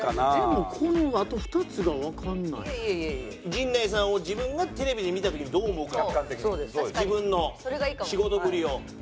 陣内さんを自分がテレビで見た時にどう思うか自分の仕事ぶりを。